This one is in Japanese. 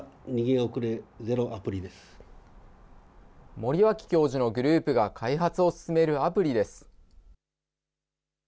森脇教授のグループが開発を進めるアプリです。